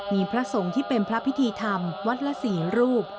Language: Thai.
มีพระสงฆ์ที่เป็นพระพิธีธรรมวัดละ๔รูป